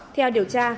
theo điều tra